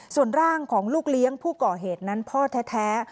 ส่วนร่างของลูกเลี้ยงผู้ก่อเหตุนั้นพ่อแท้